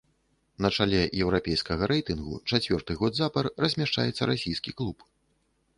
На чале еўрапейскага рэйтынгу чацвёрты год запар размяшчаецца расійскі клуб.